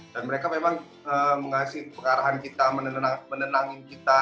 dan mereka memang mengasih pengarahan kita menenangin kita